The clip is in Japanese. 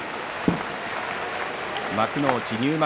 幕内入幕